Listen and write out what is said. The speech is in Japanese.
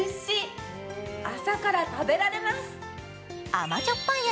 甘じょっぱい